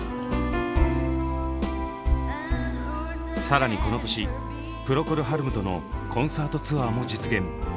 更にこの年プロコル・ハルムとのコンサートツアーも実現。